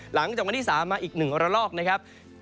หลังจากวันที่สามมาอีกหนึ่งอัลลอกนะครับ